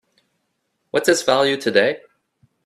What's its value today?